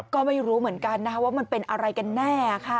ก็ไม่รู้เหมือนกันนะคะว่ามันเป็นอะไรกันแน่ค่ะ